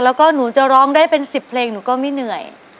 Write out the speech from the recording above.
แล้วก็หนูจะร้องได้เป็น๑๐เพลงหนูก็ไม่เหนื่อย